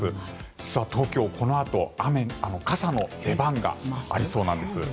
実は東京、このあと傘の出番がありそうなんです。